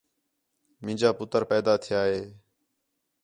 مینجا پُتر پیدا تِھیا ہِے